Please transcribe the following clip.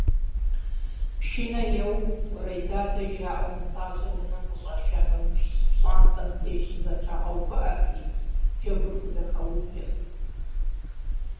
Пшынэ еуэу, уэредадэ жаӀэу нысащӀэр унэм къыщӀаша нэужь пщӀантӀэм и деж щызэтрагъэувыӀэрти, джэгу хузэхаублэрт.